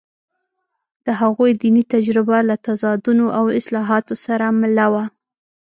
د هغوی دیني تجربه له تضادونو او اصلاحاتو سره مله وه.